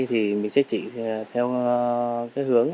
thì mình sẽ chỉ theo cái hướng